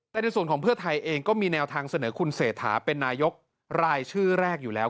แต่ในส่วนของเพื่อไทยเองก็มีแนวทางเสนอคุณเศรษฐาเป็นนายกรายชื่อแรกอยู่แล้ว